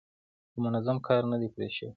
خو منظم کار نه دی پرې شوی.